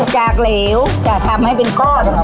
จากเหลวจะทำให้เป็นก้อน